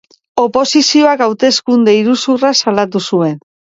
Oposizioak hauteskunde iruzurra salatu zuen.